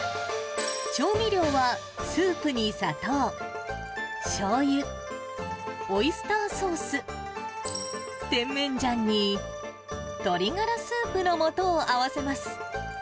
調味料は、スープに砂糖、しょうゆ、オイスターソース、テンメンジャンに鶏がらスープのもとを合わせます。